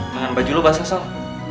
makan baju lo basah sal